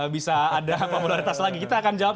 bisa ada popularitas lagi kita akan jawab